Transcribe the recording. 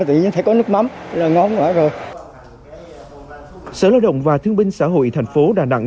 tự nhiên thấy có nước mắm là ngon quá rồi sở lao động và thương binh xã hội thành phố đà nẵng